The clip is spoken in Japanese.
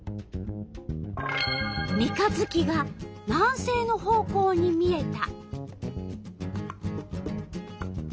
三日月が南西の方向に見えた。